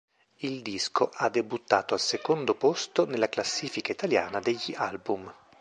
Il disco ha debuttato al secondo posto nella classifica italiana degli album.